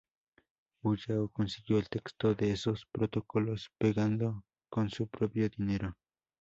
Ulloa consiguió el texto de esos protocolos, pagando con su propio dinero.